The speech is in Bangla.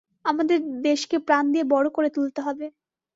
আমাদের দেশকে প্রাণ দিয়ে বড়ো করে তুলতে হবে।